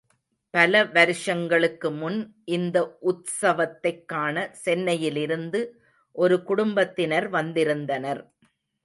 பல வருஷங்களுக்கு முன் இந்த உத்சவத்தைக் காண சென்னையிலிருந்து ஒரு குடும்பத்தினர் வந்திருந்தனர்.